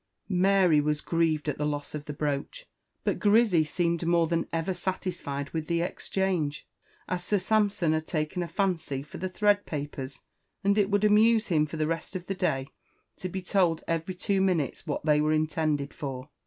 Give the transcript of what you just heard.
Mary was grieved at the loss of the brooch; but Grizzy seemed more than ever satisfied with the exchange, as Sir Sampson had taken a fancy for the thread papers, and it would amuse him for the rest of the day to be told every two minutes what they were intended for.